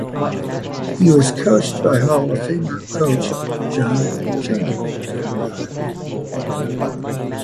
He was coached by hall of famer coach John Chaney.